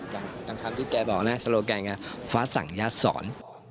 ตามคำที่แกบอกนะโซโลแกนไงฟ้าสั่งญาติสอน